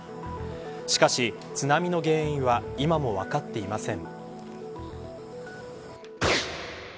しかし、津波の原因は今も分かっていません。